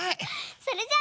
それじゃあ。